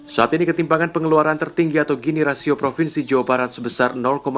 saat ini ketimpangan pengeluaran tertinggi atau gini rasio provinsi jawa barat sebesar